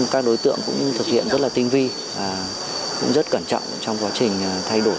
các đối tượng cũng thực hiện rất là tinh vi và cũng rất cẩn trọng trong quá trình thay đổi